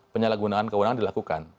penyalahgunakan kewenangan dilakukan